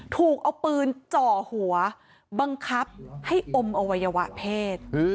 ถูกเอาปืนจ่อหัวบังคับให้อมอวัยวะเพศ